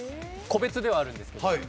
個別ではあるんですけど。